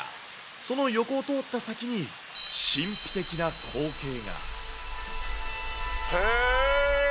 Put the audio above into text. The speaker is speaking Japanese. その横を通った先に、神秘的な光へえ。